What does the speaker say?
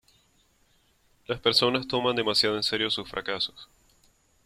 Las personas toman demasiado en serio sus fracasos.